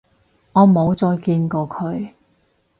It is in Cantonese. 我冇再見過佢